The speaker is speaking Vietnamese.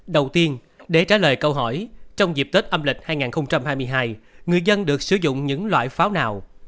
đầu tiên để trả lời câu hỏi trong dịp tết âm lịch hai nghìn hai mươi hai người dân được sử dụng những loại pháo nào